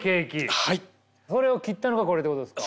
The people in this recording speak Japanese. それを切ったのがこれってことですか。